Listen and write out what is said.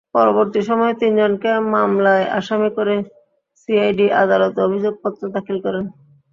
পরবর্তী সময়ে তিনজনকে মামলায় আসামি করে সিআইডি আদালতে অভিযোগপত্র দাখিল করেন।